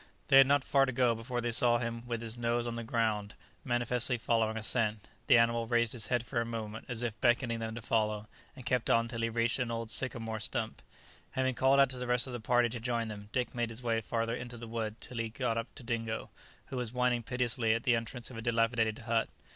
They had not far to go before they saw him with his nose close to the ground, manifestly following a scent; the animal raised his head for a moment, as if beckoning them to follow, and kept on till he reached an old sycamore stump. Having called out to the rest of the party to join them, Dick made his way farther into the wood till he got up to Dingo, who was whining piteously at the entrance of a dilapidated hut.